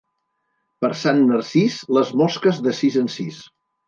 Per Sant Narcís, les mosques de sis en sis.